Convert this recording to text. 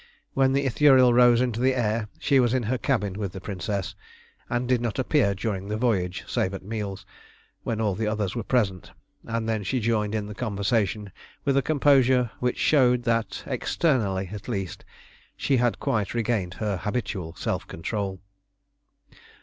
When the Ithuriel rose into the air she was in her cabin with the Princess, and did not appear during the voyage save at meals, when all the others were present, and then she joined in the conversation with a composure which showed that, externally at least, she had quite regained her habitual self control.